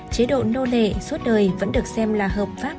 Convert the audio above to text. chế độ nô lệ suốt đời vẫn được xem là hợp pháp